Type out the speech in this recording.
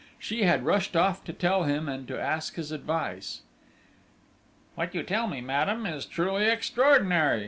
She had rushed off to tell him and to ask his advice. "What you tell me, madame, is truly extraordinary!"